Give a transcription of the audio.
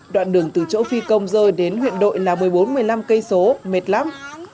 đoạn đường từ chỗ phi công rơi đến huyện đội là một mươi bốn một mươi năm km mệt lóc